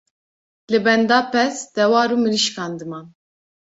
li benda pez, dewar û mirîşkan diman.